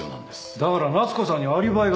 だから夏子さんにはアリバイが。